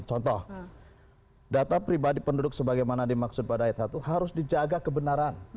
contoh data pribadi penduduk sebagaimana dimaksud pada ayat satu harus dijaga kebenaran